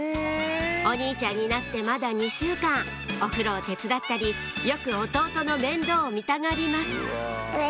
お兄ちゃんになってまだ２週間お風呂を手伝ったりよく弟の面倒を見たがります